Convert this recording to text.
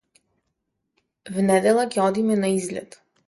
В недела ќе одиме на излет.